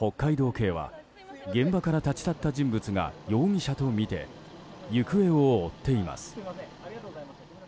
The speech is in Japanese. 警は現場から立ち去った人物が容疑者とみて行方を追っています。